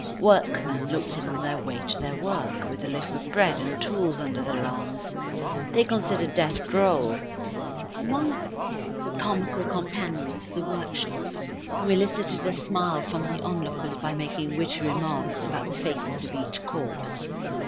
Workmen looked in on their way to their work, with a loaf of bread and tools under their arms. They considered death droll. Among them were comical companions of the workshops who elicited a smile from the onlookers by making witty remarks about the faces of each corpse.